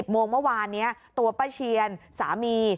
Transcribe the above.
โมงเมื่อวานนี้ตัวป้าเชียนสามี